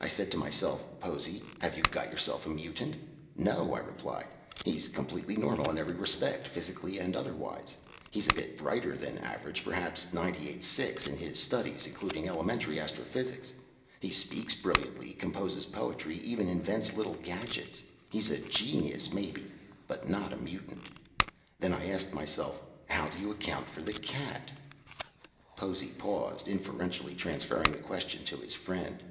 I said to myself, 'Possy, have you got yourself a mutant?' 'No,' I replied. 'He's completely normal in every respect, physically and otherwise. He's a bit brighter than average, perhaps ninety eight six in his studies, including elementary astrophysics. He speaks brilliantly, composes poetry, even invents little gadgets. He's a genius, maybe, but not a mutant.' Then I asked myself, 'how do you account for the cat?'" Possy paused, inferentially transferring the question to his friend.